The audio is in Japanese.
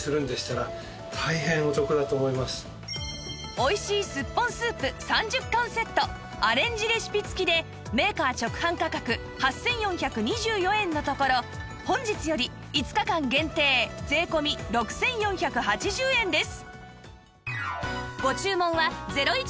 美味しいすっぽんスープ３０缶セットアレンジレシピ付きでメーカー直販価格８４２４円のところ本日より５日間限定税込６４８０円です